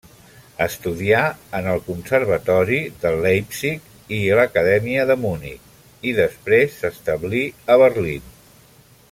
Estudià en el Conservatori de Leipzig i l'Acadèmia de Munic, i després s'establí a Berlín.